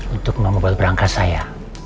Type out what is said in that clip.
untuk membuat perangkat saya